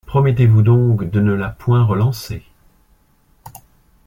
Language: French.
Promettez-vous donc de ne la point relancer.